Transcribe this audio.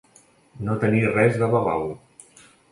No tenir res de babau.